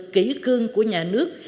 kỹ cương của nhà nước